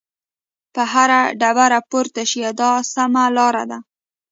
په هره ډبره پورته شئ دا سمه لار ده.